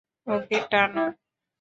ওকে, টানো।